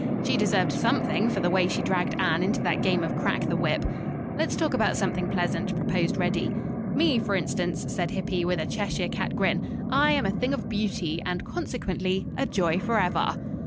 She deserved something for the way she dragged Anne into that game of crack the whip." "Let's talk about something pleasant," proposed Reddy. "Me, for instance," said Hippy, with a Cheshire cat grin. "I am a thing of beauty, and, consequently, a joy forever."